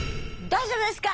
大丈夫ですか！